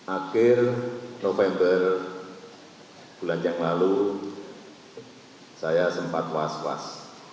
akhir november bulan yang lalu saya sempat was was